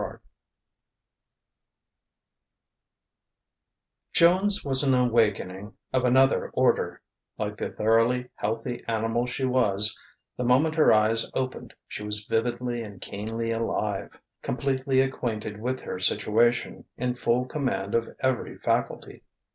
VI Joan's was an awakening of another order; like the thoroughly healthy animal she was, the moment her eyes opened she was vividly and keenly alive, completely acquainted with her situation, in full command of every faculty.